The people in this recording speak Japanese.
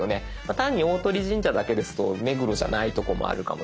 単に「大鳥神社」だけですと目黒じゃないとこもあるかもしれない。